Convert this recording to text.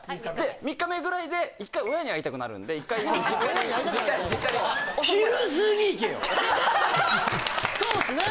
３日目ぐらいで一回親に会いたくなるんで一回実家にそうっすね